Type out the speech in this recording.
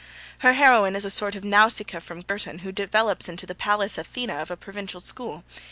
Her heroine is a sort of Nausicaa from Girton, who develops into the Pallas Athena of a provincial school.